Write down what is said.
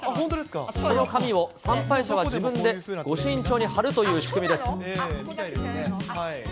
その紙を参拝者は自分で御朱印帳に貼るという仕組みです。